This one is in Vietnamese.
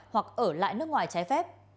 hoặc ở lại nước ngoài trái phép